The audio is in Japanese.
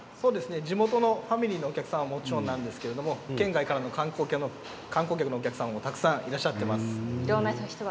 地元のファミリーのお客さんはもちろんですが県外からの観光客のお客さんもたくさんいらっしゃっています。